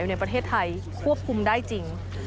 ในประเทศไทยควบคุมได้จริง